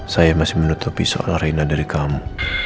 saya masih menutupi soal arena dari kamu